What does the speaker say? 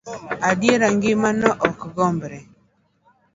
Adiera ngima no ok gombre.